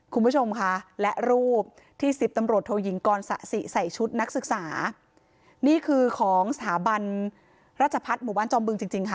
คุณผู้ชมค่ะและรูปที่สิบตำรวจโทยิงกรสะสิใส่ชุดนักศึกษานี่คือของสถาบันราชพัฒน์หมู่บ้านจอมบึงจริงจริงค่ะ